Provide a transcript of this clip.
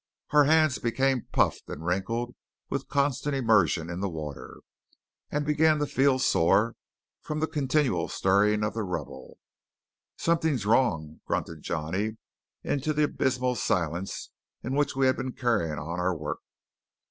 Our hands became puffed and wrinkled with constant immersion in the water, and began to feel sore from the continual stirring of the rubble. "Something wrong," grunted Johnny into the abysmal silence in which we had been carrying on our work.